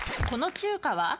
この中華は？